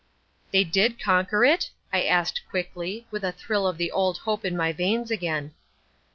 "They did conquer it?" I asked quickly, with a thrill of the old hope in my veins again.